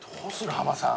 浜さん。